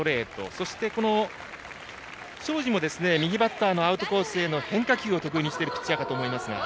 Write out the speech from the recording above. そして、庄司も右バッターのアウトコースへの変化球を得意にしているピッチャー。